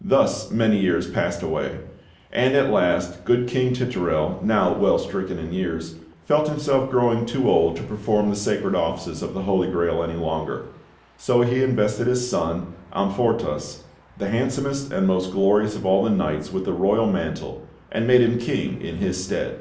Thus many years passed away; and, at last, good King Titurel, now well stricken in years, felt himself growing too old to perform the sacred offices of the Holy Grail any longer; so he invested his son, Amfortas, the handsomest and most glorious of all the knights, with the royal mantle and made him King in his stead.